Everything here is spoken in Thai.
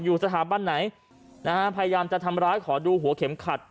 อยู่สถาบันไหนนะฮะพยายามจะทำร้ายขอดูหัวเข็มขัด